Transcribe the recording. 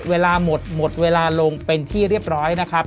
เวลาหมดหมดเวลาลงเป็นที่เรียบร้อยนะครับ